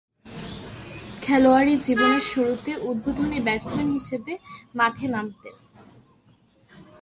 খেলোয়াড়ী জীবনের শুরুতে উদ্বোধনী ব্যাটসম্যান হিসেবে মাঠে নামতেন।